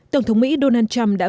tổng thống mỹ donald trump đã